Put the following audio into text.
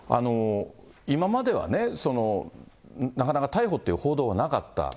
今まではね、なかなか逮捕という報道はなかった。